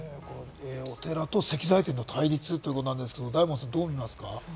お寺と石材店の対立ということですが、大門さん、どうみますか？